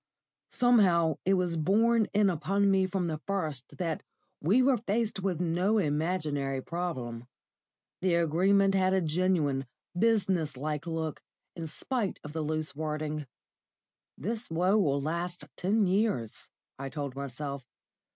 Somehow it was borne in upon me from the first that we were faced with no imaginary problem. The Agreement had a genuine, business like look, in spite of the loose wording. "This woe will last ten years," I told myself.